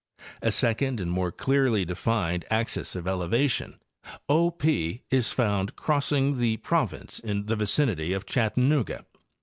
A second and more clearly defined axis of elevation, O P, is found crossing the province in the vicinity of Chattanooga.